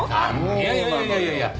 いやいやいやいや！